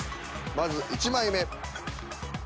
まず１枚目。